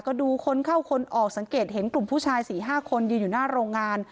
ก็ดูคนเข้าคนออกสังเกตเห็นกลุ่มผู้ชาย๔๕คนยืนอยู่หน้าโรงงาน